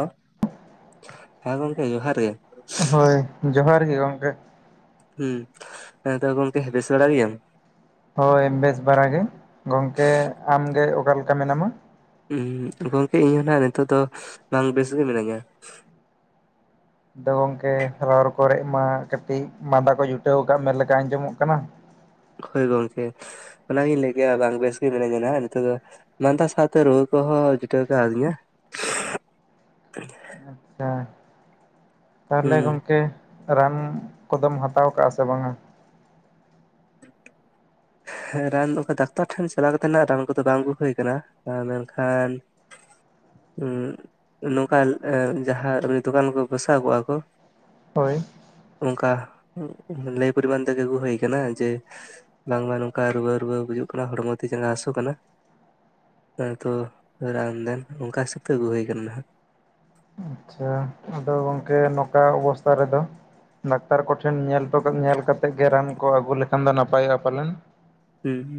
[unintelligible] ᱦᱮᱸ ᱜᱚᱝᱠᱮ ᱡᱚᱦᱟᱨ ᱜᱮ ᱾ ᱦᱳᱭ ᱡᱚᱦᱟᱨ ᱜᱮ ᱜᱚᱝᱠᱮ ᱾ ᱦᱩᱸ, ᱦᱮᱸ ᱛᱚ ᱜᱚᱝᱠᱮ ᱵᱮᱥ ᱵᱟᱲᱟ ᱜᱮᱭᱟᱢ? ᱦᱳᱭ ᱵᱮᱥ ᱵᱟᱲᱟ ᱜᱮ ᱾ ᱜᱚᱝᱠᱮ ᱟᱢ ᱜᱮ ᱚᱠᱟ ᱞᱮᱠᱟ ᱢᱮᱱᱟᱢᱟ? ᱦᱩᱸ, ᱜᱚᱝᱠᱮ ᱤᱧ ᱦᱚᱸ ᱱᱟᱦᱟᱜ ᱱᱤᱛᱚᱜ ᱫᱚ ᱱᱟᱝ ᱵᱮᱥ ᱜᱮ ᱢᱤᱱᱟᱹᱧᱟ ᱾ ᱟᱫᱚ ᱜᱚᱢᱠᱮ ᱨᱚᱲ ᱠᱚᱨᱮᱜ ᱢᱟ ᱠᱟᱹᱴᱤᱡ ᱢᱟᱸᱫᱟ ᱠᱚ ᱡᱩᱴᱟᱹᱣ ᱟᱠᱟᱜ ᱢᱮ ᱞᱮᱠᱟ ᱟᱸᱡᱚᱢᱚᱜ ᱠᱟᱱᱟ ᱾ ᱦᱳᱭ ᱜᱚᱝᱠᱮ ᱚᱱᱟᱜᱤᱧ ᱞᱟᱹᱭ ᱠᱮᱭᱟ ᱵᱟᱝ ᱵᱮᱥ ᱜᱮ ᱢᱤᱱᱟᱹᱧᱟ ᱱᱟᱦᱟᱜ ᱱᱤᱛᱚᱜ ᱫᱚ ᱾ ᱢᱫᱟ ᱥᱟᱶᱛᱮ ᱨᱩᱣᱟᱹ ᱠᱚᱦᱚᱸ ᱡᱩᱴᱟᱹᱣ ᱠᱟᱣᱫᱤᱧᱟ ᱾ [inaudible] ᱟᱪᱪᱷᱟ ᱾ [inaudible] ᱛᱟᱦᱚᱞᱮ ᱦᱩᱸ ᱜᱚᱝᱠᱮ ᱨᱟᱱ ᱠᱚᱫᱚᱢ ᱦᱟᱛᱟᱣ ᱠᱟᱜ-ᱟ ᱥᱮ ᱵᱟᱝᱟ᱾ ᱦᱮᱸ ᱨᱟᱱ ᱫᱚ ᱠᱷᱟ ᱰᱟᱠᱛᱟᱨ ᱴᱷᱮᱱ ᱪᱟᱞᱟᱣ ᱠᱟᱛᱮ ᱱᱟᱜ ᱨᱟᱱ ᱠᱚᱫᱚ ᱵᱟᱝ ᱟᱜᱩ ᱦᱩᱭ ᱠᱟᱱᱟ ᱢᱮᱱᱠᱷᱟᱱ᱾ ᱩᱸᱜ ᱱᱚᱝᱠᱟᱱ ᱡᱟᱸᱦᱟ ᱨᱟᱹ ᱫᱚᱠᱟᱱ ᱠᱚ ᱵᱚᱥᱟᱣ ᱠᱚᱜ-ᱟ ᱠᱚ ᱦᱳᱭ᱾ ᱚᱱᱠᱟ ᱞᱟᱹᱭ ᱯᱚᱨᱤᱢᱟᱱ ᱛᱮᱜᱮ ᱟᱹᱜᱩ ᱦᱳᱭ ᱠᱟᱱᱟ ᱡᱮ ᱵᱟᱝᱢᱟ ᱱᱚᱝᱠᱟ ᱨᱩᱣᱟᱹ ᱨᱩᱣᱟᱹ ᱵᱩᱡᱩᱜ ᱠᱟᱱᱟ ᱦᱚᱲᱢᱚ ᱛᱤ ᱡᱟᱸᱜᱟ ᱦᱟᱥᱩ ᱠᱟᱱᱟ᱾ ᱟᱫᱚ ᱨᱟᱱ ᱫᱮᱱ ᱚᱱᱠᱟ ᱦᱤᱥᱟᱹᱵᱽ ᱛᱮ ᱟᱹᱜᱩ ᱦᱳᱭ ᱠᱟᱱᱟ ᱱᱷᱟᱜ᱾ ᱟᱪᱪᱷᱟ ᱟᱫᱚ ᱜᱚᱝᱠᱮ ᱱᱠᱟ ᱚᱵᱚᱥᱛᱟ ᱨᱮ ᱫᱚ᱾ ᱰᱟᱠᱛᱟᱨ ᱠᱚ ᱴᱷᱮᱱ ᱧᱮᱞᱴᱚ ᱧᱮᱞ ᱠᱟᱛᱮᱜ ᱜᱮ ᱨᱟᱱ ᱠᱚ ᱟᱹᱜᱩ ᱞᱮᱠᱷᱟᱱ ᱫᱚ ᱱᱟᱯᱟᱭᱚᱜ-ᱟ ᱯᱟᱞᱮᱱ᱾ ᱦᱩᱸ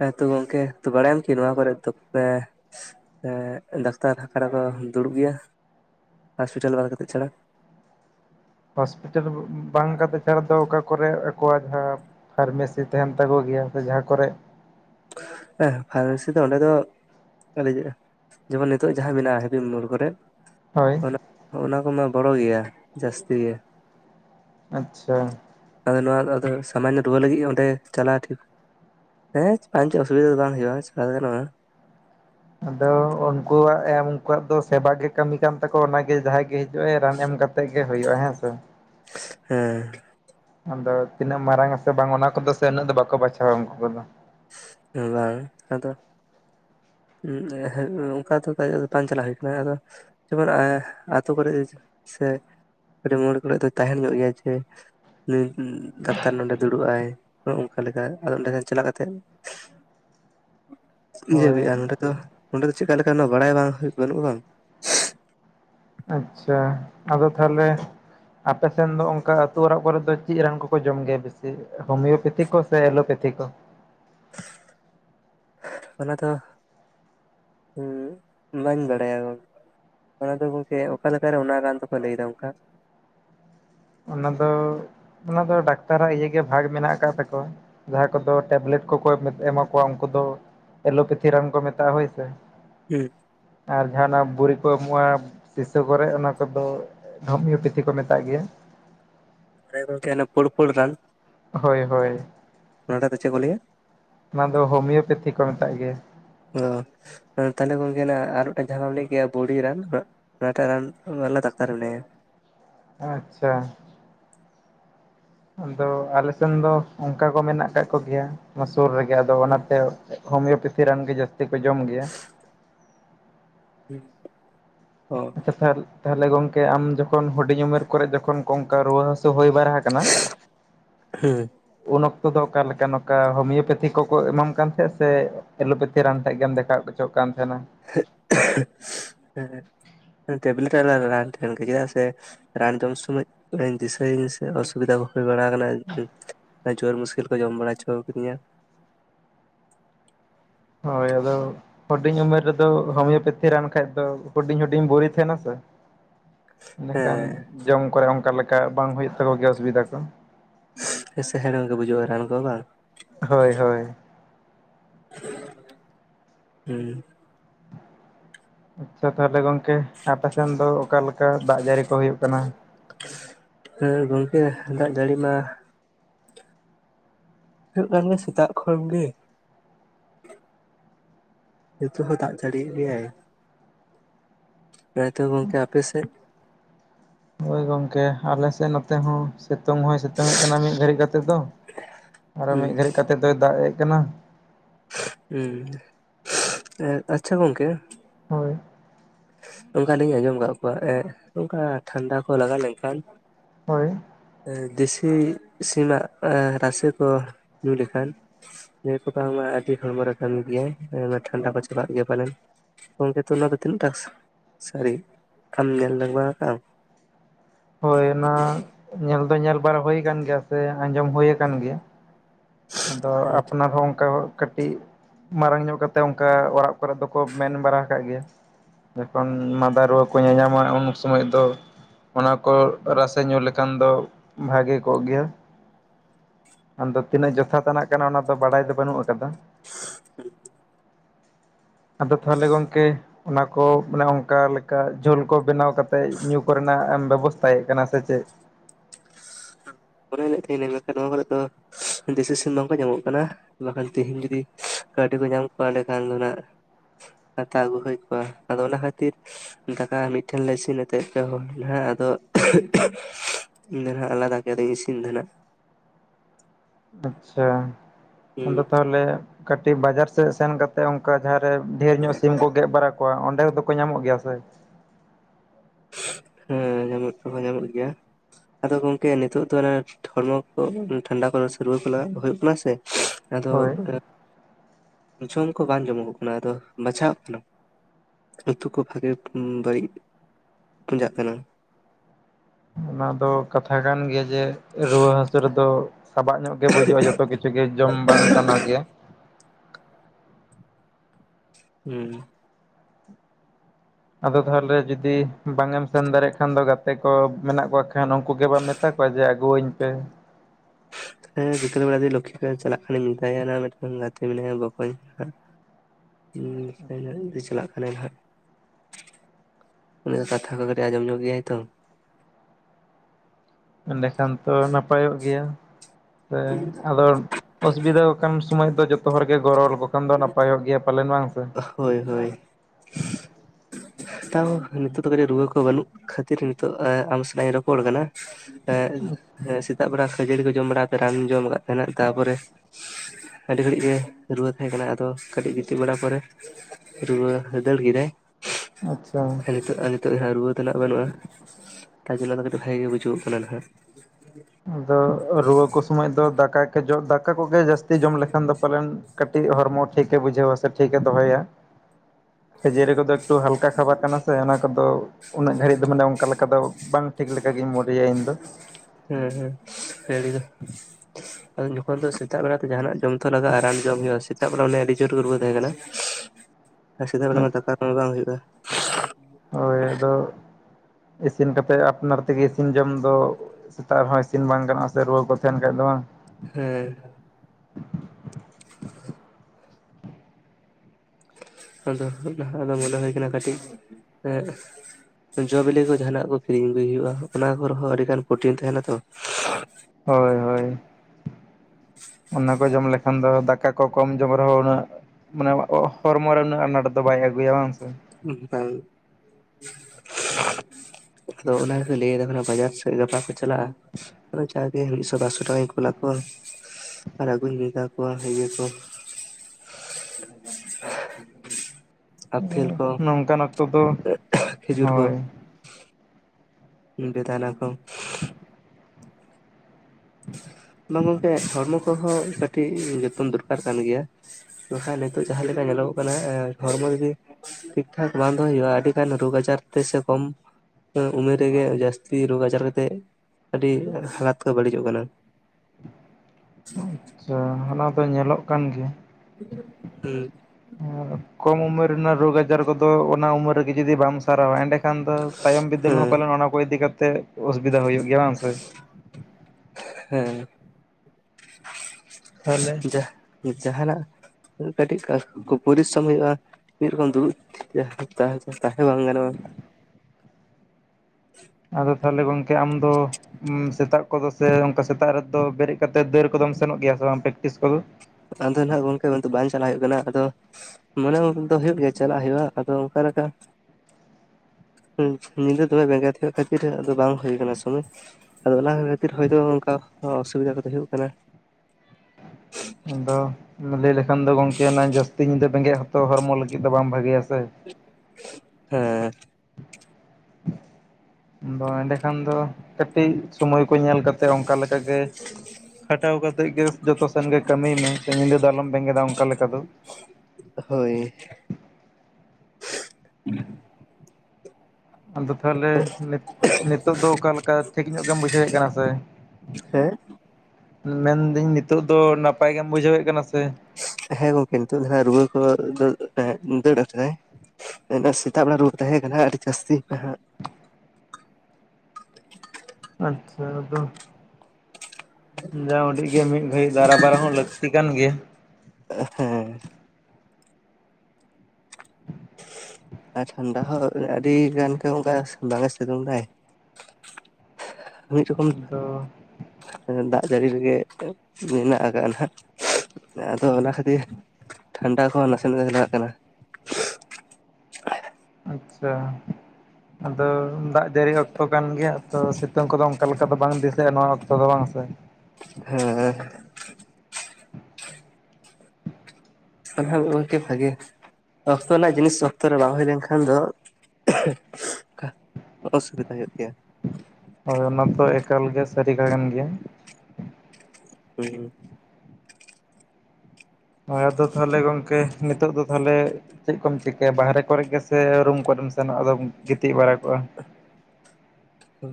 ᱦᱮᱸᱛᱚ ᱜᱚᱢᱠᱮ ᱛᱚ ᱵᱟᱲᱟᱭᱟᱢ ᱠᱤ ᱱᱚᱣᱟ ᱠᱚᱨᱮ ᱛᱚᱵᱽ-ᱮ᱾ ᱮᱸ ᱰᱟᱠᱛᱟᱨ ᱟᱠᱟ ᱨᱮᱠᱚ ᱫᱩᱲᱩᱵ ᱜᱮᱭᱟ ᱦᱚᱸᱥᱯᱤᱴᱟᱞ ᱵᱟᱫ ᱠᱟᱛᱮᱜ ᱪᱷᱟᱲᱟ? ᱦᱚᱸᱥᱯᱤᱴᱟᱞ ᱵᱟᱝ ᱠᱟᱛᱮ ᱪᱷᱟᱲᱟ ᱛᱚ ᱚᱠᱟ ᱠᱚᱨᱮ ᱟᱠᱚᱣᱟ ᱡᱟᱸᱦᱟ ᱯᱷᱟᱨᱢᱮᱥᱤ ᱛᱟᱦᱮᱱ ᱛᱟᱠᱩ ᱜᱮᱭᱟ ᱥᱮ ᱡᱟᱸᱦᱟ ᱠᱚᱨᱮᱜ᱾ ᱦᱮᱸ ᱯᱷᱟᱨᱢᱮᱥᱤ ᱫᱚ ᱚᱸᱰᱮ ᱫᱚ᱾ ᱟᱣᱨᱤ ᱤᱭᱟᱹᱜ-ᱟ ᱡᱮᱢᱚᱱ ᱱᱤᱛᱚᱜ ᱡᱟᱸᱦᱟ ᱢᱮᱱᱟᱜ-ᱟ ᱦᱮᱵᱤᱢ ᱢᱳᱲ ᱠᱚᱨᱮᱫ᱾ ᱦᱳᱭ᱾ ᱚᱱᱟ ᱚᱱᱟ ᱠᱚᱢᱟ ᱵᱚᱲᱚ ᱜᱮᱭᱟ ᱡᱟᱥᱛᱤ ᱜᱮ᱾ ᱟᱪ-ᱪᱷᱟ᱾ ᱟᱫᱚ ᱱᱚᱣᱟ ᱫᱚ ᱟᱫᱚ ᱥᱟᱢᱟᱭᱱᱚ ᱨᱩᱣᱟᱹ ᱞᱟᱹᱜᱤᱜ ᱚᱸᱰᱮ ᱪᱟᱞᱟᱣ ᱴᱷᱤᱠ ᱦᱮᱸ ᱵᱟᱝ ᱪᱮᱜ ᱚᱥᱵᱤᱫᱟ ᱫᱚ ᱵᱟᱝ ᱦᱳᱭᱳᱜ-ᱟ᱾ [unintelligible] ᱟᱫᱚ ᱩᱱᱠᱩᱣᱟᱜ ᱮᱢ ᱩᱱᱠᱩᱣᱟᱜ ᱫᱚ ᱥᱮᱵᱟ ᱜᱮ ᱠᱟᱹᱢᱤ ᱠᱟᱱ ᱛᱟᱠᱚᱣᱟ ᱚᱱᱟ ᱜᱮ ᱡᱟᱸᱦᱟᱭ ᱜᱮ ᱦᱤᱡᱩᱜ ᱟᱭ ᱨᱟᱱ ᱮᱢ ᱠᱟ ᱛᱮᱜᱮ ᱦᱳᱭᱳᱜ-ᱟ ᱦᱮᱸ ᱥᱮ᱾ ᱦᱮᱸ᱾ ᱟᱢ ᱫᱚ ᱛᱤᱱᱟᱹᱜ ᱮᱢ ᱢᱟᱨᱟᱝ ᱟᱥᱮ ᱵᱟᱝ ᱚᱱᱟ ᱠᱚ ᱫᱚ ᱥᱮ ᱩᱱᱟᱹᱜ ᱫᱚ ᱵᱟᱠᱚ ᱵᱟᱪᱷᱟᱣᱟ ᱩᱱᱠᱩ ᱫᱚ᱾ ᱦᱳᱭ ᱟᱫᱚ᱾ ᱩᱸ ᱮᱸᱜ ᱚᱱᱠᱟ ᱛᱚ ᱛᱟ ᱵᱟᱝ ᱪᱟᱞᱟ ᱦᱩᱭ ᱠᱟᱱᱟ ᱟᱫᱚ ᱡᱮᱢᱚᱱ ᱮᱸ ᱟᱛᱳ ᱠᱚᱨᱮᱜ ᱥᱮ [unintelligible] ᱠᱚᱨᱮᱜ ᱫᱚ ᱛᱟᱦᱮᱱ ᱧᱚᱜ ᱜᱮᱭᱟ ᱡᱮ [unintelligible] ᱰᱟᱠᱛᱟᱨ ᱱᱚᱸᱰᱮ ᱫᱩᱲᱩᱵ ᱟᱭ ᱦᱳᱭ ᱚᱱᱠᱟ ᱞᱮᱠᱟ ᱟᱫᱚ ᱚᱸᱰᱮ ᱫᱚ ᱪᱟᱞᱟ ᱠᱟᱛᱮᱜ᱾ ᱡᱮ [unintelligible] ᱦᱳᱭ ᱱᱚᱸᱰᱮ ᱫᱚ ᱱᱚᱸᱰᱮ ᱫᱚ ᱪᱮᱠᱟ ᱞᱮᱠᱟᱱ ᱫᱚ ᱵᱟᱲᱟᱭ ᱵᱟᱝ ᱵᱟᱹᱱᱩᱜ-ᱟ ᱵᱟᱝ? ᱟᱪ-ᱪᱷᱟ ᱟᱫᱚ ᱛᱟᱦᱞᱮ ᱟᱯᱮ ᱥᱮᱱ ᱫᱚ ᱚᱱᱠᱟ ᱟᱹᱛᱩ ᱚᱲᱟᱜ ᱠᱚᱨᱮᱜ ᱫᱚ ᱪᱮᱜ ᱨᱟᱱ ᱠᱚᱠᱚ ᱡᱚᱢ ᱜᱮᱭᱟ ᱵᱮᱥᱤ? ᱦᱳᱢᱤᱭᱳᱯᱮᱛᱷᱤ ᱠᱚ ᱥᱮ ᱮᱞᱳᱯᱮᱛᱷᱤ ᱠᱚ? ᱚᱱᱟ ᱫᱚ ᱩᱸ ᱵᱟᱹᱧ ᱵᱟᱲᱟᱭᱟ᱾ ᱚᱱᱟ ᱫᱚ ᱜᱚᱝᱠᱮ ᱚᱠᱟ ᱞᱮᱠᱟᱨᱮ ᱚᱱᱟ ᱨᱟᱱ ᱫᱚᱠᱚ ᱞᱟᱹᱭ ᱫᱟ ᱚᱝᱠᱟ? ᱚᱱᱟ ᱫᱚ ᱚᱱᱟ ᱫᱚ ᱰᱟᱠᱛᱟᱨᱟᱜ ᱤᱭᱟᱹ ᱜᱮ ᱵᱷᱟᱜᱽ ᱢᱮᱱᱟᱜ ᱠᱟᱜ ᱛᱟᱠᱚᱣᱟ᱾ ᱡᱟᱸᱦᱟᱭ ᱠᱚᱫᱚ ᱴᱮᱵᱞᱮᱴ ᱠᱚᱠᱚ ᱮᱢᱟ ᱠᱚᱣᱟ ᱩᱱᱠᱩ ᱫᱚ᱾ ᱮᱞᱳᱯᱮᱛᱷᱤ ᱨᱟᱱ ᱠᱚ ᱢᱮᱛᱟᱜ ᱦᱳᱭ ᱥᱮ᱾ ᱦᱩᱸ᱾ ᱟᱨ ᱡᱟᱸᱦᱟ ᱚᱱᱟ ᱵᱚᱨᱤ ᱠᱚ ᱮᱢᱚᱜ-ᱟ ᱥᱤᱥᱟᱹ ᱠᱚᱨᱮᱜ ᱚᱱᱟ ᱠᱚᱫᱚ᱾ ᱦᱟᱢᱤᱭᱳ ᱯᱮᱛᱷᱤ ᱠᱚ ᱢᱮᱛᱟ ᱜᱮᱭᱟ᱾ ᱦᱮᱸ ᱜᱚᱝᱠᱮ ᱚᱱᱮ ᱯᱩᱲ ᱯᱩᱲ ᱨᱟᱱ᱾ ᱦᱳᱭ ᱦᱳᱭ᱾ ᱚᱱᱟ ᱴᱟᱜ ᱫᱚ ᱪᱮᱜ ᱠᱚ ᱞᱟᱹᱭᱟ? ᱚᱱᱟ ᱫᱚ ᱦᱳᱢᱤᱭᱳᱯᱮᱛᱷᱤ ᱠᱚ ᱢᱮᱛᱟᱜ ᱜᱮᱭᱟ᱾ ᱚᱻ᱾ ᱛᱟᱦᱚᱞᱮ ᱜᱚᱢᱠᱮ ᱟᱨ ᱢᱤᱫᱴᱟᱝ ᱡᱟᱦᱟᱸ ᱟᱢ ᱞᱟᱹᱭ ᱠᱮᱫᱮᱭᱟ ᱵᱩᱲᱤ ᱨᱟᱱ ᱚᱱᱟᱴᱟᱜ ᱨᱟᱱ ᱵᱟᱞᱟ ᱰᱟᱠᱛᱟᱨᱮ ᱢᱮᱱᱟᱭᱟ᱾ ᱟᱪᱪᱷᱟ ᱾ ᱟᱫᱚ ᱟᱞᱮᱥᱮᱱ ᱫᱚ, ᱚᱱᱠᱟ ᱠᱚ ᱢᱮᱱᱟᱜ ᱟᱠᱟᱫ ᱠᱚᱜᱮᱭᱟ ᱚᱱᱟ ᱥᱩᱨ ᱨᱮᱜᱮ ᱟᱫᱚ ᱚᱱᱟᱛᱮ ᱦᱳᱢᱤᱭᱳᱯᱮᱛᱷᱤ ᱨᱟᱱ ᱜᱮ ᱡᱟᱹᱥᱛᱤ ᱠᱚ ᱡᱚᱢ ᱜᱮᱭᱟ᱾ [inaudible] ᱛᱟᱦᱚᱞᱮ ᱜᱚᱝᱠᱮ ᱟᱢ ᱡᱚᱠᱷᱚᱱ ᱦᱩᱰᱤᱧ ᱩᱢᱮᱨ ᱠᱚᱨᱮ ᱡᱚᱠᱷᱚᱱ ᱠᱚᱱᱠᱟ ᱨᱩᱣᱟᱹ ᱦᱟᱹᱥᱩ ᱦᱩᱭ ᱵᱟᱲᱟ ᱠᱟᱱᱟ ᱦᱩᱸ ᱩᱱ ᱚᱠᱛᱚ ᱫᱚ ᱚᱠᱟᱞᱮᱠᱟ ᱱᱚᱠᱟ ᱦᱳᱢᱤᱭᱳᱯᱮᱛᱷᱤ ᱠᱚᱠᱚ ᱮᱢᱟᱢ ᱠᱟᱱ ᱛᱟᱦᱮᱸᱫ ᱥᱮ ᱮᱞᱳᱯᱮᱛᱷᱤ ᱨᱟᱱ ᱴᱷᱮᱜ ᱜᱮᱢ ᱫᱮᱠᱷᱟᱣᱮᱫ ᱠᱚ ᱛᱟᱦᱮᱸᱼᱟ? ᱪᱚᱜ ᱠᱟᱱ ᱛᱟᱦᱮᱱᱟ᱾ ᱦᱮᱸ ᱴᱮᱵᱞᱮᱴ ᱨᱟᱱᱟᱱ ᱪᱮᱫᱟᱜ ᱥᱮ ᱨᱟᱱ ᱡᱚᱢ ᱥᱚᱢᱚᱭ ᱫᱤᱥᱟᱹᱭᱟᱹᱧ ᱥᱮ ᱚᱥᱩᱵᱤᱫᱟ ᱠᱚ ᱦᱩᱭ ᱵᱟᱲᱟ ᱟᱠᱟᱱᱟ ᱾ ᱡᱳᱨ ᱢᱩᱥᱠᱤᱞ ᱠᱚ ᱡᱚᱢ ᱵᱟᱲᱟ ᱦᱚᱪᱚᱣ ᱠᱟᱫᱤᱧᱟ᱾ ᱦᱳᱭ ᱾ ᱟᱫᱚ ᱦᱩᱰᱤᱧ ᱩᱢᱮᱨ ᱨᱮᱫᱚ ᱦᱳᱢᱤᱭᱳᱯᱮᱛᱷᱤ ᱨᱟᱱ ᱠᱷᱟᱡ ᱫᱚ ᱦᱩᱰᱤᱧ ᱦᱩᱰᱤᱧ ᱵᱳᱨᱤ ᱛᱟᱦᱮᱱᱟ ᱛᱚ ᱾ ᱮᱸᱱᱮ ᱠᱷᱟᱱ ᱦᱮᱸ ᱡᱚᱢ ᱠᱚᱨᱮ ᱚᱱᱠᱟ ᱞᱮᱠᱟ ᱵᱟᱝ ᱦᱩᱭᱩᱜ ᱛᱟᱠᱚ ᱜᱮᱭᱟ ᱚᱥᱩᱵᱤᱫᱟ ᱠᱚ ᱾ ᱦᱮᱸ ᱥᱮ ᱦᱮᱲᱮᱢ ᱜᱮ ᱵᱩᱡᱩᱜᱼᱟ ᱨᱟᱱ ᱠᱚ ᱵᱟᱝ ᱾ ᱦᱳᱭ, ᱦᱳᱭ ᱾ ᱦᱩᱸ᱾ ᱟᱪᱪᱷᱟ ᱛᱟᱦᱚᱞᱮ ᱜᱚᱝᱠᱮ ᱟᱯᱮ ᱥᱮᱱ ᱫᱚ ᱚᱠᱟᱞᱮᱠᱟ ᱫᱟᱜ ᱡᱟᱹᱲᱤ ᱠᱚ ᱦᱩᱭᱩᱜ ᱠᱟᱱᱟ ᱦᱮᱸ ᱜᱚᱝᱠᱮ ᱫᱟᱜ ᱡᱟᱹᱲᱤ ᱢᱟ ᱦᱩᱭᱩᱜ ᱠᱟᱱ ᱜᱮᱭᱟ ᱥᱮᱛᱟᱜ ᱠᱷᱚᱱ ᱜᱮ ᱾ ᱱᱤᱛᱚᱜ ᱦᱚᱸ ᱫᱟᱜ ᱡᱟᱹᱲᱤᱭᱟᱜ ᱜᱮᱭᱟᱭ᱾ ᱯᱨᱟᱭᱛᱚ ᱜᱚᱝᱠᱮ ᱟᱯᱮ ᱥᱮᱫ? ᱦᱚᱳᱭ ᱜᱚᱝᱠᱮ ᱟᱠᱮ ᱥᱮᱫ ᱱᱚᱛᱮ ᱦᱚᱸ ᱾ ᱥᱤᱛᱩᱝ ᱦᱚᱸᱭ ᱥᱤᱛᱩᱝ ᱮᱫ ᱠᱟᱱᱟ ᱢᱤᱫ ᱜᱷᱟᱹᱲᱤᱡ ᱠᱟᱛᱮᱫ ᱫᱚ, ᱟᱨᱚ ᱦᱩᱸ ᱢᱤᱫ ᱜᱷᱟᱹᱲᱤᱡ ᱠᱟᱛᱮᱫ ᱫᱚᱭ ᱫᱟᱜ ᱮᱜ ᱠᱟᱱᱟ ᱾ ᱦᱮᱸ ᱟᱪᱪᱷᱟ ᱜᱚᱝᱠᱮ ᱦᱳᱭ ᱾ ᱚᱱᱠᱟ ᱞᱤᱧ ᱟᱸᱡᱚᱢ ᱟᱠᱟᱫ ᱠᱚᱣᱟ, ᱚᱱᱠᱟ ᱴᱷᱟᱱᱰᱟ ᱠᱚ ᱞᱟᱜᱟᱣ ᱞᱮᱱ ᱠᱷᱟᱱ ᱦᱳᱭ ᱾ ᱫᱮᱥᱤ ᱥᱤᱢᱟᱜ ᱨᱟᱥᱮ ᱠᱚ ᱧᱩ ᱞᱮᱠᱷᱟᱱ ᱞᱤᱭᱟᱹ ᱠᱚ ᱵᱟᱝ ᱢᱟ, ᱟᱹᱰᱤ ᱦᱚᱲᱢᱚ ᱨᱮ ᱠᱟᱹᱢᱤ ᱜᱮᱭᱟ ᱴᱷᱟᱱᱰᱟ ᱠᱚ ᱪᱟᱵᱟᱜ ᱜᱮᱭᱟ ᱯᱟᱞᱮᱱ ᱾ ᱜᱚᱝᱠᱮ ᱛᱚ ᱚᱱᱟ ᱛᱤᱱᱟᱹᱜ ᱴᱟᱠᱥ? ᱥᱟᱹᱨᱤ ᱟᱢ ᱧᱮᱞ [inaudible] ᱦᱳᱭ ᱚᱱᱟ ᱧᱮᱞ ᱫᱚ ᱧᱮᱞ ᱵᱟᱲᱟ ᱦᱩᱭ ᱟᱠᱟᱱ ᱜᱮᱭᱟ ᱥᱮ ᱟᱸᱡᱚᱢ ᱦᱩ ᱟᱠᱟᱱ ᱜᱮᱭᱟᱢ ᱾ ᱟᱫᱚ ᱦᱮᱸ ᱟᱯᱱᱟᱨ ᱦᱚᱸ ᱚᱱᱠᱟ ᱠᱟᱹᱴᱤᱡ ᱢᱟᱨᱟᱝ ᱧᱚᱜ ᱠᱟᱛᱮᱜ ᱚᱱᱠᱟ ᱚᱲᱟᱜ ᱠᱚᱨᱮᱜ ᱫᱚᱠᱚ ᱢᱮᱱ ᱵᱟᱲᱟ ᱟᱠᱟᱫ ᱜᱮᱭᱟ ᱾ ᱡᱚᱠᱷᱚᱱ ᱢᱟᱸᱫᱟ ᱨᱩᱣᱟᱹ ᱠᱚ ᱧᱟᱧᱟᱢᱟᱸ ᱩᱱ ᱥᱚᱢᱚᱭ ᱫᱚ ᱚᱱᱟ ᱠᱚ ᱨᱟᱥᱮ ᱧᱩᱸ ᱞᱮᱠᱷᱟᱱ ᱫᱚ ᱵᱷᱟᱜᱮ ᱠᱚᱜ ᱜᱮᱭᱟ ᱾ ᱟᱫᱚ ᱛᱤᱱᱟᱹᱜ ᱡᱚᱛᱷᱟᱛ ᱟᱱᱟᱜ ᱠᱟᱱᱟ ᱚᱱᱟ ᱫᱚ ᱵᱟᱰᱟᱭ ᱫᱚ ᱵᱟᱹᱱᱩᱜ ᱟᱠᱟᱫᱟ᱾ ᱟᱫᱚ ᱛᱟᱦᱚᱞᱮ ᱜᱚᱝᱠᱮ ᱚᱱᱟ ᱠᱚ ᱢᱟᱱᱮ ᱚᱱᱠᱟ ᱞᱮᱠᱟ ᱡᱷᱳᱞ ᱠᱚ ᱵᱮᱱᱟᱣ ᱠᱟᱛᱮᱫ ᱧᱩᱸ ᱠᱚᱨᱮᱱᱟᱜ ᱮᱢ ᱵᱮᱵᱚᱥᱛᱟᱭᱮᱫ ᱠᱟᱱᱟ ᱥᱮ ᱪᱮᱫ? ᱢᱚᱱᱮ ᱞᱟᱹᱭᱮᱫ ᱛᱟᱦᱮᱱᱟᱹᱧ ᱵᱟᱠᱷᱟ ᱱᱚᱣᱟ ᱠᱚᱨᱮ ᱫᱚ ᱫᱮᱥᱤ ᱥᱤᱢ ᱵᱟᱝᱠᱚ ᱧᱟᱢᱚᱜ ᱠᱟᱱᱟ ᱾ ᱵᱟᱠᱷᱟᱱ ᱛᱤᱦᱤᱸᱧ ᱡᱩᱫᱤ ᱠᱟᱹᱣᱰᱤ ᱠᱚ ᱧᱟᱢ ᱠᱚᱜᱼᱟ ᱮᱸᱰᱮ ᱠᱷᱟᱱ ᱫᱚ ᱦᱟᱸᱜ ᱦᱟᱛᱟᱣ ᱟᱹᱜᱩ ᱦᱩᱭ ᱠᱚᱣᱟ, ᱟᱫᱚ ᱚᱱᱟ ᱠᱷᱟᱹᱛᱤᱨ ᱫᱟᱠᱟ ᱢᱤᱫ ᱴᱷᱮᱱ ᱞᱮ ᱤᱥᱤᱱᱛᱮᱫ ᱛᱟᱦᱮᱱ ᱯᱮ ᱦᱚᱲ ᱡᱟᱦᱟ ᱟᱫᱚ ᱤᱧ ᱫᱚ ᱟᱞᱟᱫᱟ ᱠᱮ ᱛᱮᱜᱤ ᱤᱥᱤᱱ ᱛᱟᱦᱮᱱᱟ ᱾ ᱟᱪᱪᱷᱟ ᱟᱫᱚ ᱦᱮᱸ ᱛᱟᱦᱚᱞᱮ ᱠᱟᱹᱴᱤᱡ ᱵᱟᱡᱟᱨ ᱥᱮᱫ ᱥᱮᱱ ᱠᱟ ᱛᱮ ᱚᱱᱠᱟ ᱡᱟᱦᱟᱸ ᱨᱮ ᱰᱷᱤᱨ ᱧᱚᱜ ᱥᱤᱢ ᱠᱚ ᱜᱮᱫ ᱵᱟᱨᱟ ᱠᱚᱣᱟ ᱚᱸᱰᱮ ᱫᱚᱠᱚ ᱧᱟᱢᱚᱜ ᱜᱮᱭᱟ ᱥᱮ? ᱦᱮᱸ ᱧᱟᱢᱚᱜ ᱫᱚᱠᱚ ᱧᱟᱢᱚᱜ ᱜᱮᱭᱟ᱾ ᱟᱫᱚ ᱜᱚᱝᱠᱮ ᱱᱤᱛᱚᱜ ᱫᱚ ᱚᱱᱮ ᱴᱷᱚᱲᱢᱚ ᱠᱚ ᱴᱷᱟᱱᱰᱟ ᱠᱚ ᱱᱟᱥᱮ ᱨᱩᱣᱟᱹ ᱠᱚ ᱞᱟᱜᱟᱜ ᱦᱩᱭᱩᱜ ᱠᱟᱱᱟ ᱥᱮ, ᱟᱫᱚ ᱦᱳᱭ ᱮᱸ ᱡᱚᱢ ᱠᱚ ᱵᱟᱝ ᱡᱚᱢᱚᱜᱚᱜ ᱠᱟᱱᱟ ᱟᱫᱚ ᱵᱟᱪᱷᱟᱣᱚᱜ ᱠᱟᱱᱟ᱾ ᱟᱛᱩ ᱠᱩ ᱵᱷᱟᱜᱮ ᱩᱸ ᱵᱟᱹᱲᱤᱡ᱾ ᱯᱟᱸᱡᱟᱜ ᱠᱟᱱᱟ᱾ ᱚᱱᱟ ᱫᱚ ᱠᱟᱛᱷᱟ ᱠᱟᱱ ᱜᱮᱭᱟ ᱡᱮ ᱨᱩᱣᱟᱹ ᱦᱟᱹᱥᱩ ᱨᱮᱫᱚ ᱥᱟᱵᱟᱜ ᱧᱚᱜ ᱜᱮ ᱵᱩᱡᱩᱜᱼᱟ ᱡᱚᱛᱚ ᱠᱤᱪᱷᱩ ᱜᱮ ᱡᱚᱢ ᱵᱟᱝ ᱥᱟᱱᱟ ᱜᱮᱭᱟ᱾ ᱦᱩᱸ᱾ ᱟᱫᱚ ᱛᱟᱦᱚᱞᱮ ᱡᱩᱫᱤ ᱵᱟᱝ ᱮᱢ ᱥᱮᱱ ᱫᱟᱲᱮᱭᱟᱜ ᱠᱷᱟᱱ ᱫᱚ ᱜᱟᱛᱮ ᱠᱚ ᱢᱮᱱᱟᱜ ᱠᱚᱣᱟ ᱮᱱᱠᱷᱟᱱ ᱩᱱᱠᱩᱩ ᱜᱮ ᱵᱟᱢ ᱢᱮᱛᱟ ᱠᱚᱣᱟ ᱡᱮ ᱟᱹᱜᱩᱣᱟᱹᱧ ᱯᱮ᱾ ᱦᱮᱸ ᱜᱤᱫᱽᱨᱟᱹ ᱢᱮᱱᱟᱭ ᱛᱤᱧᱟ ᱞᱚᱠᱠᱷᱤ ᱠᱷᱟᱱ ᱪᱟᱞᱟᱜ ᱠᱷᱟᱱᱤᱧ ᱢᱮᱛᱟᱭᱟ [unintelligible] ᱜᱟᱛᱮ ᱢᱮᱱᱟᱭᱟ ᱵᱚᱠᱚᱧ ᱦᱟᱸᱜ᱾ [inaudible] ᱡᱩᱫᱤ ᱪᱟᱞᱟᱜ ᱠᱷᱟᱱᱮ ᱱᱟᱦᱟᱜ᱾ ᱩᱱᱤ ᱫᱚ ᱠᱟᱛᱷᱟ ᱠᱚ ᱠᱟᱴᱤᱡ ᱮ ᱟᱸᱡᱚᱢ ᱧᱚᱜ ᱜᱮᱭᱟᱭ ᱛᱚ᱾ ᱮᱸᱰᱮᱠᱷᱟᱱ ᱛᱚ ᱱᱟᱯᱟᱭᱼᱚᱜ ᱜᱮᱭᱟ ᱥᱮ ᱟᱫᱚ ᱚᱥᱩᱵᱤᱫᱟᱣᱟᱠᱟᱱ ᱥᱳᱢᱚᱭ ᱫᱚ ᱡᱚᱛᱚ ᱦᱚᱲ ᱜᱮ ᱜᱚᱲᱚ [unintelligible] ᱠᱷᱟᱱ ᱫᱚ ᱱᱟᱯᱟᱭᱼᱚᱜ ᱜᱮᱭᱟ ᱯᱟᱞᱮᱱ ᱵᱟᱝ ᱥᱮ᱾ ᱦᱳᱭ ᱦᱳᱭ᱾ ᱛᱟᱣ ᱱᱤᱛᱳᱜ ᱫᱚ ᱠᱟᱹᱴᱤᱡ ᱨᱩᱣᱟᱹ ᱠᱚ ᱵᱟᱹᱱᱩᱜ ᱠᱷᱟᱹᱛᱤᱨ ᱱᱤᱛᱳᱜ ᱮᱸ ᱟᱢ ᱥᱟᱞᱟᱜ ᱤᱧ ᱨᱚᱯᱚᱲ ᱠᱟᱱᱟ᱾ ᱮᱸ, ᱦᱮᱸ ᱥᱮᱛᱟᱜ ᱵᱮᱲᱟ ᱠᱷᱟᱹᱡᱟᱹᱲᱤ ᱠᱚ ᱡᱚᱢ ᱵᱟᱲᱟ ᱠᱟᱛᱮ ᱨᱟᱱ ᱤᱧ ᱡᱚᱢ ᱟᱠᱟᱫ ᱛᱟᱦᱮᱱᱟ ᱛᱟᱯᱚᱨᱮ ᱟᱹᱰᱤ ᱜᱷᱟᱹᱲᱤᱡ-ᱮ ᱨᱩᱣᱟᱹ ᱛᱟᱦᱮᱸ ᱠᱟᱱᱟ ᱟᱫᱚ ᱠᱟᱹᱴᱤᱡ ᱜᱤᱛᱤᱡ ᱵᱟᱲᱟ ᱯᱚᱨᱮ ᱨᱩᱣᱟᱹ ᱫᱟᱹᱲ ᱠᱮᱫᱟᱭ᱾ ᱟᱪᱪᱷᱟ [unintelligible] ᱱᱤᱛᱳᱜ [unintelligible] ᱛᱳᱜ ᱡᱟᱦᱟᱸ ᱨᱩᱣᱟᱹ ᱫᱚ ᱱᱟᱜ ᱵᱟᱹᱱᱩᱜᱼᱟ, ᱛᱟᱨ ᱡᱚᱱᱱᱚ ᱟᱫᱚ ᱠᱟᱹᱴᱤᱡ ᱵᱷᱟᱜᱮ ᱜᱮ ᱵᱩᱡᱩᱜᱚᱜ ᱠᱟᱱᱟ ᱱᱟᱦᱟᱜ᱾ ᱟᱫᱚ ᱨᱩᱣᱟᱹ ᱠᱚ ᱥᱩᱢᱟᱹᱡ ᱫᱚ ᱫᱟᱠᱟ ᱠᱚ ᱡᱚ ᱫᱟᱠᱟ ᱠᱚᱜᱮ ᱡᱟᱹᱥ ᱛᱤ ᱡᱚᱢ ᱞᱮᱠᱷᱟᱱ ᱫᱚ ᱯᱟᱞᱮᱱ ᱠᱟᱹᱴᱤᱡ ᱦᱚᱲᱢᱚ ᱴᱷᱤᱠᱮ ᱵᱩᱡᱷᱟᱹᱣᱟ ᱥᱮ ᱴᱷᱤᱠᱮ ᱫᱚᱦᱚᱭᱟ, ᱠᱷᱟᱹᱡᱟᱹᱨᱤ ᱠᱚᱫᱚ ᱮᱠᱴᱩ ᱦᱟᱞᱠᱟ ᱠᱷᱟᱵᱟᱨ ᱠᱟᱱᱟ ᱥᱮ ᱚᱱᱟ ᱠᱚᱫᱚ ᱩᱱᱟᱹᱜ ᱜᱷᱟᱹᱲᱤᱡ ᱫᱚ ᱢᱟᱱᱮ ᱚᱱᱠᱟ ᱞᱮᱠᱟ ᱫᱚ ᱵᱟᱝ ᱴᱷᱤᱠ ᱞᱮᱠᱟ ᱜᱤᱧ ᱢᱚᱡᱮᱭᱟ ᱤᱧ ᱫᱚ᱾ ᱦᱮᱸ ᱦᱮᱸ, ᱠᱷᱟᱹᱡᱟᱹᱲᱤ ᱫᱚ᱾ ᱟᱫᱚ ᱡᱚᱠᱷᱚᱱ ᱫᱚ ᱥᱮᱛᱟᱜ ᱵᱮᱲᱟ ᱛᱚ ᱡᱟᱦᱟᱱᱟᱜ ᱡᱚᱢ ᱛᱚ ᱞᱟᱜᱟᱜᱼᱟ ᱨᱟᱱ ᱡᱚᱢ ᱦᱩᱭᱩᱜᱼᱟ, ᱥᱮᱛᱟᱜ ᱵᱮᱲᱟ ᱢᱟᱱᱮ ᱟᱹᱰᱤ ᱡᱳᱨ ᱜᱮ ᱨᱩᱣᱟᱹ ᱛᱟᱦᱮᱸ ᱠᱟᱱᱟ ᱟᱨ ᱥᱮᱛᱟᱜ ᱵᱮᱲᱟ ᱢᱟ ᱫᱟᱠᱟ ᱠᱚᱢᱟ ᱵᱟᱝ ᱦᱩᱭᱩᱜᱼᱟ᱾ ᱦᱳᱭ ᱟᱫᱚ ᱤᱥᱤᱱ ᱠᱟᱛᱮᱜ ᱟᱯᱱᱟᱨ ᱛᱮᱜᱮ ᱤᱥᱤᱱ ᱡᱚᱢ ᱫᱚ ᱥᱮᱛᱟᱜ ᱨᱮᱦᱚᱸ ᱤᱥᱤᱱ ᱵᱟᱝ ᱜᱟᱱᱚᱜᱼᱟ ᱥᱮ ᱨᱩᱣᱟᱹ ᱠᱚ ᱛᱟᱦᱮᱱ ᱠᱷᱟᱡ ᱫᱚ, ᱵᱟᱝ? ᱦᱮᱸ᱾ [inaudible] ᱟᱫᱚ ᱚᱱᱟ ᱟᱫᱚ ᱢᱚᱱᱮ ᱦᱩᱭ ᱠᱟᱱᱟ ᱠᱟᱹᱴᱤᱡ, ᱮᱫ ᱡᱚ ᱵᱤᱞᱤ ᱠᱚ ᱡᱟᱦᱱᱟᱜ ᱠᱚ ᱠᱤᱨᱤᱧ ᱟᱹᱜᱩᱭ ᱦᱩᱭᱩᱜᱼᱟ ᱚᱱᱟ ᱠᱚᱨᱮ ᱦᱚᱸ ᱟᱹᱰᱤ ᱜᱟᱱ ᱯᱨᱳᱚᱴᱤᱱ ᱛᱟᱦᱮᱱᱟ ᱛᱚ, ᱦᱳᱭ ᱦᱳᱭ᱾ ᱚᱱᱟ ᱠᱚ ᱡᱚᱢ ᱞᱮᱠᱷᱟᱱ ᱫᱚ ᱫᱟᱠᱟ ᱠᱚ ᱠᱚᱢ ᱡᱚᱢ ᱨᱮᱦᱚᱸ ᱩᱱᱟᱹᱜ ᱢᱟᱱᱮ ᱚ ᱦᱚᱨᱢᱚ ᱨᱮ ᱩᱱᱟᱹᱜ ᱟᱱᱟᱴ ᱫᱚ ᱵᱟᱭ ᱟᱹᱜᱩᱭᱟ, ᱵᱟᱝ ᱥᱮ? ᱩᱦ ᱵᱟᱝ [unintelligible] ᱟᱫᱚ ᱚᱱᱟ ᱜᱮᱠᱚ ᱞᱟᱹᱭᱫᱟ [unintelligible] ᱵᱟᱡᱟᱨ ᱥᱮᱫ ᱜᱟᱯᱟ ᱠᱚ ᱪᱟᱞᱟᱜᱼᱟ, ᱟᱫᱚ ᱡᱟᱜᱮ ᱢᱤᱫᱥᱚ ᱵᱟᱨᱥᱚ ᱴᱟᱠᱟᱧ ᱠᱩᱞ ᱟᱠᱚᱣᱟ ᱟᱨ ᱟᱹᱜᱩᱧ ᱵᱷᱮᱡᱟ ᱠᱚᱣᱟ ᱤᱭᱟᱹ ᱠᱚ, [inaudible] ᱟᱯᱷᱮᱞ ᱠᱚ, ᱱᱚᱝᱠᱟᱱ ᱚᱠᱛᱚ ᱫᱚ ᱮ ᱠᱷᱮᱡᱩᱨ ᱠᱚ᱾ ᱦᱳᱭ ᱤᱝᱠᱟᱹ ᱛᱟᱦᱮᱱᱟ ᱠᱚ᱾ ᱵᱟᱝ ᱜᱚᱢᱠᱮ ᱦᱚᱲᱢᱚ ᱠᱚᱦᱚᱸ ᱠᱟᱹᱴᱤᱡ ᱡᱚᱛᱚᱱ ᱫᱚᱨᱠᱟᱨ ᱠᱟᱱ ᱜᱮᱭᱟ᱾ ᱵᱟᱠᱷᱟᱱ ᱱᱤᱛᱚᱜ ᱡᱟᱦᱟᱸ ᱞᱮᱠᱟ ᱧᱮᱞᱚᱜᱚᱜ ᱠᱟᱱᱟ ᱮᱸ ᱦᱚᱲᱢᱚ ᱡᱩᱫᱤ ᱴᱷᱤᱠ ᱴᱷᱟᱠ ᱵᱟᱝ ᱫᱚ ᱦᱩᱭᱩᱜ-ᱟ ᱟᱹᱰᱤᱜᱟᱱ ᱨᱳᱜᱽ ᱟᱡᱟᱨ ᱛᱮ ᱥᱮ ᱠᱚᱢ ᱩᱢᱮᱨ ᱨᱮᱜᱮ ᱡᱟᱹᱥᱛᱤ ᱨᱳᱜᱽ ᱟᱡᱟᱨ ᱠᱟᱛᱮᱜ ᱟᱹᱰᱤ ᱦᱟᱞᱟᱛ ᱠᱚ ᱵᱟᱹᱲᱤᱡᱚᱜ ᱠᱟᱱᱟ᱾ [unintelligible] ᱟᱪᱪᱷᱟ ᱦᱟᱱᱟ ᱫᱚ ᱧᱮᱞᱚᱜ ᱠᱟᱱ ᱜᱮᱭᱟ᱾ ᱦᱮᱸ᱾ ᱠᱚᱢ ᱩᱢᱮᱨ ᱨᱮᱱᱟᱜ ᱨᱳᱜᱽ ᱟᱡᱟᱨ ᱠᱚᱫᱚ ᱚᱱᱟ ᱩᱢᱮᱨ ᱨᱮᱜᱮ ᱡᱩᱫᱤ ᱵᱟᱢ ᱥᱟᱨᱟᱣᱟ ᱮᱸᱰᱮ ᱠᱷᱟᱱ ᱫᱚ ᱛᱟᱭᱚᱢ ᱵᱤᱫᱟᱹᱞ ᱦᱚᱸ ᱦᱮᱸ ᱯᱟᱞᱮᱱ ᱚᱱᱟ ᱠᱚ ᱤᱫᱤ ᱠᱟᱛᱮ ᱚᱥᱩᱵᱤᱫᱟ ᱦᱩᱭᱩᱜ ᱜᱮᱭᱟ ᱵᱟᱝ ᱥᱮ᱾ ᱦᱮᱸ ᱛᱟᱦᱚᱞᱮ ᱡᱟᱦ-ᱼ ᱡᱟᱦᱟᱱᱟᱜ ᱠᱟᱹᱴᱤᱡ ᱠᱟ ᱯᱚᱨᱤᱥᱨᱚᱢ ᱦᱩᱭᱩᱜᱼᱟ᱾ ᱢᱤᱫ ᱨᱚᱠᱚᱢ ᱫᱩᱲᱩᱵ ᱛᱟ-ᱛᱟᱦᱮᱸ ᱵᱟᱝ ᱜᱟᱱᱚᱜᱼᱟ᱾ ᱟᱫᱚ ᱛᱟᱦᱚᱞᱮ ᱜᱚᱢᱠᱮ ᱟᱢ ᱫᱚ ᱩᱸᱢ ᱥᱮᱛᱟᱜ ᱠᱚᱫᱚ ᱥᱮ ᱚᱱᱠᱟ ᱥᱮᱛᱟᱜ ᱨᱮᱫᱚ ᱵᱮᱨᱮᱫ ᱠᱟᱛᱮ ᱫᱟᱹᱲ ᱠᱚᱫᱚᱢ ᱥᱮᱱᱚᱜ ᱜᱮᱭᱟ ᱥᱮ ᱵᱟᱝ ᱯᱨᱮᱠᱴᱤᱥ ᱠᱚᱫᱚ? ᱟᱫᱚ ᱱᱥᱦᱟᱜ ᱜᱚᱝᱠᱮ ᱢᱮᱱᱛᱮ ᱵᱟᱝ ᱪᱟᱞᱟᱜ ᱦᱩᱭᱩᱜ ᱠᱟᱱᱟ ᱟᱫᱚ ᱢᱚᱱᱮ ᱩᱱ ᱫᱚ ᱦᱩᱭᱩᱜ ᱜᱮᱭᱟ ᱪᱟᱞᱟᱜ ᱦᱩᱭᱩᱜᱼᱟ ᱟᱫᱚ ᱚᱱᱠᱟ ᱞᱮᱠᱟ ᱦᱩᱸ ᱧᱤᱫᱟᱹ ᱫᱚᱢᱮ ᱵᱮᱸᱜᱟᱭ ᱦᱚᱭᱩᱜ ᱠᱷᱟᱹᱛᱤᱨ ᱟᱫᱚ ᱵᱟᱝ ᱦᱩᱭ ᱟᱠᱟᱱᱟ ᱥᱚᱢᱚᱭ᱾ ᱟᱫᱚ ᱚᱱᱟ ᱠᱚ ᱠᱷᱟᱹᱛᱤᱨ ᱦᱚᱭᱛᱚ ᱚᱱᱠᱟ ᱚᱥᱩᱵᱤᱫᱟ ᱠᱚᱫᱚ ᱦᱩᱭᱩᱜ ᱠᱟᱱᱟ᱾ ᱟᱫᱚ ᱞᱟᱹᱭ ᱞᱮᱠᱷᱟᱱ ᱫᱚ ᱜᱚᱢᱠᱮ ᱚᱱᱟ ᱡᱟᱹᱥᱛᱤ ᱧᱤᱫᱟᱹ ᱵᱮᱸᱜᱮᱫᱛᱚ ᱦᱚᱲᱢᱚ ᱞᱟᱹᱜᱤᱫ ᱫᱚ ᱵᱟᱝ ᱵᱷᱟᱜᱮᱭᱟ ᱥᱮ᱾ ᱦᱮᱸ᱾ ᱫᱚ ᱮᱸᱰᱮᱠᱷᱟᱱ ᱫᱚ ᱠᱟᱹᱴᱤᱡ ᱥᱚᱢᱚᱭ ᱠᱚ ᱧᱮᱞ ᱠᱟᱛᱮ ᱚᱱᱠᱟᱠᱟ ᱜᱮ ᱠᱷᱟᱴᱟᱣ ᱠᱟᱛᱮᱫ ᱜᱮ ᱡᱚᱛᱚ ᱥᱮᱱ ᱜᱮ ᱠᱟᱹᱢᱤᱭ ᱢᱮ ᱥᱮ ᱧᱤᱫᱟᱹ ᱫᱚ ᱟᱞᱚᱢ ᱵᱮᱸᱜᱮᱫᱟ ᱚᱱᱠᱟ ᱞᱮᱠᱟ ᱫᱚ᱾ ᱦᱳᱭ᱾ [inaudible] ᱟᱫᱚ ᱛᱟᱦᱚᱞᱮ ᱱᱤᱛᱚᱜ ᱫᱚ ᱚᱠᱟᱞᱮᱠᱟ ᱴᱷᱤᱠ ᱧᱚᱜ ᱜᱮᱢ ᱵᱩᱡᱷᱟᱹᱣᱮᱫ ᱠᱟᱱᱟ ᱥᱮ? ᱦᱮᱸ? ᱢᱮᱱᱫᱟᱹᱧ ᱱᱤᱛᱚᱜ ᱫᱚ ᱱᱟᱯᱟᱭ ᱜᱮᱢ ᱵᱩᱡᱷᱟᱹᱣᱮᱫ ᱠᱟᱱᱟ ᱥᱮ? ᱦᱮᱸ ᱜᱚᱝᱠᱮ ᱱᱤᱛᱚᱜ ᱫᱚ ᱦᱟᱸᱜ ᱨᱩᱣᱟᱹ ᱠᱚ ᱫᱟᱹᱲ ᱟᱠᱟᱭ᱾ ᱮᱱᱟᱱ ᱥᱮᱛᱟᱜ ᱵᱮᱲᱟ ᱨᱩᱣᱟ ᱛᱟᱦᱮᱸ ᱠᱟᱱᱟ ᱟᱹᱰᱤ ᱡᱟᱹᱥᱛᱤ ᱱᱟᱦᱟᱸᱜ᱾ ᱟᱪᱪᱷᱟ ᱟᱫᱚ ᱡᱟ ᱩᱰᱤᱡ ᱜᱮ ᱢᱤᱫ ᱜᱷᱟᱹᱲᱤᱡ ᱫᱟᱨᱟ ᱵᱟᱨᱟ ᱦᱚᱸ ᱞᱟᱹᱠᱛᱤ ᱠᱟᱱ ᱜᱮᱭᱟ᱾ ᱦᱮᱸ᱾ ᱟᱨ ᱴᱷᱟᱱᱰᱟ ᱦᱚᱸ ᱟᱹᱰᱤ ᱜᱟᱱ ᱜᱮ ᱚᱱᱠᱟ ᱵᱟᱝᱮ ᱥᱤᱛᱩᱝ ᱫᱟᱭ᱾ ᱢᱤᱫ ᱨᱚᱠᱚᱢ ᱟᱫᱚ ᱮᱸ ᱫᱟᱜ ᱡᱟᱹᱲᱤ ᱨᱮᱜᱮ ᱢᱮᱱᱟᱜ ᱟᱠᱟᱜᱼᱟ ᱱᱟᱦᱟᱜ᱾ ᱟᱫᱚ ᱚᱱᱟ ᱠᱷᱟᱹᱛᱤᱨ ᱴᱷᱟᱱᱰᱟ ᱠᱚᱦᱚᱸ ᱱᱟᱥᱮ ᱱᱟᱥᱮ ᱞᱟᱜᱟᱜ ᱠᱟᱱᱟ᱾ ᱟᱪᱪᱷᱟ᱾ ᱟᱫᱚ ᱫᱟᱜ ᱡᱟᱹᱲᱤ ᱚᱠᱛᱚ ᱠᱟᱱ ᱜᱮᱭᱟ ᱛᱚ ᱥᱤᱛᱩᱝ ᱠᱚᱫᱚ ᱚᱱᱠᱟ ᱞᱮᱠᱟ ᱫᱚ ᱵᱟᱝ ᱫᱤᱥᱟᱹᱜᱼᱟ ᱱᱚᱣᱟ ᱚᱠᱛᱚ ᱫᱚ ᱵᱟᱝ ᱥᱮ᱾ ᱦᱮᱸ᱾ ᱟᱨ ᱦᱟᱸᱜ ᱜᱚᱝᱠᱮ ᱵᱷᱟᱜᱮ᱾ ᱚᱠᱛᱚ ᱨᱮᱱᱟᱜ ᱡᱤᱱᱤᱥ ᱚᱠᱛᱚ ᱨᱮ ᱵᱟᱝ ᱦᱩᱭ ᱞᱮᱱᱠᱷᱟᱱ ᱫᱚ ᱚᱥᱩᱵᱤᱫᱟ ᱦᱩᱭᱩᱜ ᱜᱮᱭᱟ᱾ ᱦᱳᱭ ᱚᱱᱟ ᱫᱚ ᱮᱠᱟᱞ ᱜᱮ ᱥᱟᱹᱨᱤᱜ ᱠᱟ-ᱠᱟᱱ ᱜᱮᱭᱟ᱾ ᱦᱩᱼᱩ [unintelligible] ᱦᱚᱭ ᱟᱫᱚ ᱛᱟᱦᱚᱞᱮ, ᱜᱚᱝᱠᱮ ᱱᱤᱛᱚᱜ ᱫᱚ, ᱛᱟᱦᱚᱞᱮ, ᱪᱮᱫ ᱠᱚᱢ ᱪᱤᱠᱟᱹᱭᱟ? ᱵᱟᱦᱨᱮ ᱠᱚᱨᱮ ᱜᱮᱥᱮ, ᱨᱩᱢ ᱠᱚ ᱨᱮᱢ ᱥᱮᱱᱚᱜᱼᱟ, ᱟᱫᱚᱢ ᱜᱤᱛᱤᱡ ᱵᱟᱲᱟ ᱠᱚᱜᱼᱟ ᱾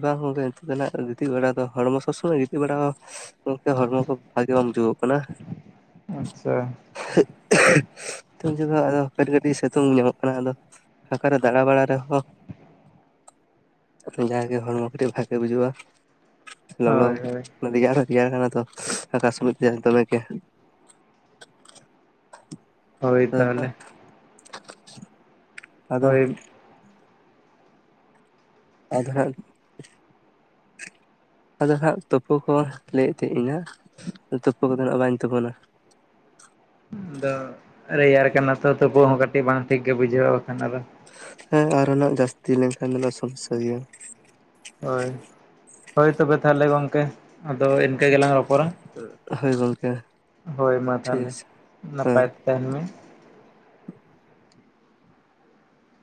ᱵᱟᱝ ᱜᱚᱝᱠᱮ, ᱱᱤᱛᱚᱜ ᱫᱚ ᱱᱟ ᱦᱟᱸᱜ, ᱜᱤᱛᱤᱡ ᱵᱟᱲᱟ ᱫᱚ, ᱦᱚᱲᱢᱚ ᱥᱚᱥᱚᱜ, ᱥᱚᱵ ᱥᱚᱢᱚᱭ ᱜᱤᱛᱤᱡ ᱵᱟᱲᱟ ᱦᱚᱸ ᱜᱚᱢᱠᱮ! ᱦᱚᱲᱢᱚ ᱠᱚ, ᱵᱷᱟᱜᱤ ᱵᱟᱝ ᱵᱩᱡᱩᱜᱚᱼᱜ, ᱠᱟᱱᱟ ᱾ ᱟᱪᱪᱷᱟ ᱟᱦᱼᱜᱼᱠᱷᱼᱟ-ᱷᱼᱜ, ᱥᱼᱩᱸᱡ ᱥᱤᱛᱩᱝ ᱡᱚᱜ ᱫᱚ, ᱟᱫᱚ ᱠᱟᱹᱴᱤᱡ, ᱠᱟᱹᱴᱤᱡ ᱥᱤᱛᱩᱝ ᱧᱟᱢᱚᱜ ᱠᱟᱱᱟ, ᱟᱫᱚ ᱯᱷᱟᱸᱠᱟ ᱨᱮ, ᱫᱟᱬᱟ ᱵᱟᱲᱟ ᱨᱮᱦᱚᱸᱻᱻ ᱡᱟᱜᱮ ᱦᱚᱲᱢᱚ ᱠᱟᱹᱴᱤᱡ, ᱵᱷᱟᱜᱮ ᱵᱩᱡᱩᱜᱼᱟ, ᱞᱚᱞᱚ ᱦᱳᱭ ᱦᱳᱭ ᱨᱮᱭᱟᱲ ᱦᱚᱸ, ᱨᱮᱭᱟᱲ ᱠᱟᱱᱟ ᱛᱚ, ᱥᱩ-ᱩᱸᱡ ᱟᱠᱟ ᱥᱩᱱᱩᱡ ᱛᱮ, ᱫᱚᱢᱮ ᱜᱮ [unintelligible] ᱦᱳᱭ! ᱛᱟᱦᱚᱞᱮ, ᱟᱫᱚ ᱦᱳᱭ, ᱟᱫᱚ ᱦᱟᱸᱜ, ᱟᱫᱚ ᱦᱟᱸᱜ, ᱛᱩᱯᱳ ᱠᱚ, ᱞᱟᱹᱭ ᱮᱫ ᱛᱟᱦᱮᱸ, ᱤᱧ ᱦᱟᱸᱜ ᱛᱩᱯᱩ ᱠᱚᱫᱚ ᱱᱷᱟᱜ, ᱵᱟᱹᱧ ᱛᱩᱯᱩᱱᱟ ᱾ ᱟᱫᱚ, ᱨᱮᱭᱟᱲ ᱠᱟᱱᱟ ᱛᱚ, ᱛᱩᱯᱩ ᱦᱚᱸ ᱠᱟᱹᱴᱤᱡ ᱵᱟᱝ ᱴᱷᱤᱠ ᱜᱮ, ᱵᱩᱡᱷᱟᱹᱣᱼᱟ, ᱵᱟᱠᱷᱟᱱ, ᱟᱫᱚ ᱦᱮᱸ ᱟᱨᱚᱱᱟᱜ, ᱡᱟᱹᱥᱛᱤ ᱞᱮᱱᱠᱷᱟᱱ ᱫᱚ, ᱥᱚᱢᱚᱥᱥᱟ ᱜᱮᱭᱟ ᱾ ᱦᱳᱭ, ᱦᱳᱭ ᱛᱚᱵᱮ, ᱛᱟᱦᱚᱞᱮ ᱜᱚᱢᱠᱮ, ᱟᱫᱚ ᱤᱱᱠᱟᱹ, ᱜᱮᱞᱟᱝ ᱨᱚᱯᱚᱲᱟ ᱦᱳᱭ ᱜᱚᱝᱠᱮ ᱾ ᱦᱳᱭ ᱢᱟ ᱛᱟᱦᱞᱮ, ᱴᱷᱤᱠ ᱦᱮᱸ ᱱᱟᱯᱟᱭ ᱛᱮ ᱛᱟᱦᱮᱱ ᱢᱮ ᱾